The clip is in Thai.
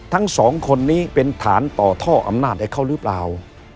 ทั้งสองคนนี้เป็นฐานต่อท่ออำนาจให้เขาหรือเปล่า